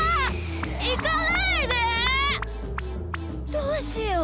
どうしよう。